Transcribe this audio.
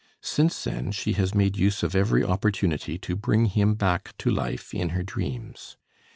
Since then she has made use of every opportunity to bring him back to life in her dreams.